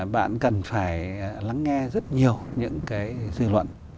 bạn cần phải lắng nghe rất nhiều những cái dư luận